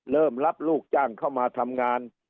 รับลูกจ้างเข้ามาทำงาน